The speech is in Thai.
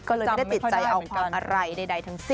ก็เลยไม่ได้ติดใจเอาความอะไรใดทั้งสิ้น